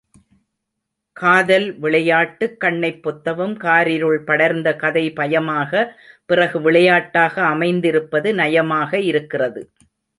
காதல் விளையாட்டு, கண்ணைப் பொத்தவும் காரிருள் படர்ந்த கதை பயமாக பிறகு விளையாட்டாக அமைந்திருப்பது நயமாக இருக்கிறது.